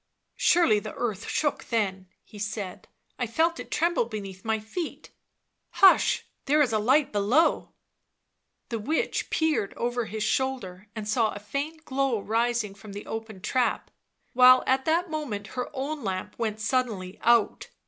" Surely the earth shook then," he said. " I felt it tremble beneath my feet — hush, there is a light below !" The witch peered over his shoulder and saw a faint glow rising from the open trap, while at that moment her own lamp went suddenly out.